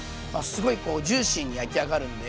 すごいこうジューシーに焼き上がるんで。